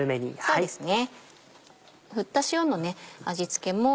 そうですね。